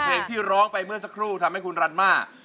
เพลงที่ร้องไปเมื่อสักครู่ทำให้คุณรันม่า